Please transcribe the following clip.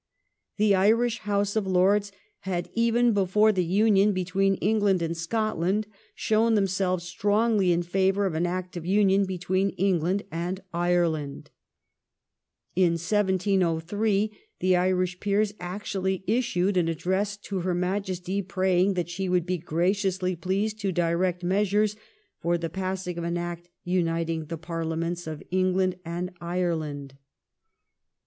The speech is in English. The Irish House of Lords had even before the Union between England and Scotland shown them selves strongly in favour of an Act of Union between England and Ireland. In 1703, the Irish peers actually issued an address to her Majesty praying that she would be graciously pleased to direct measures for the passing of an Act uniting the Parliaments of England and Ireland.